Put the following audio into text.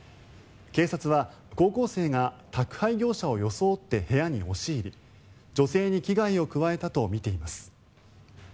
警察は、高校生が宅配業者を装って部屋に押し入り女性に危害を加えたとみています。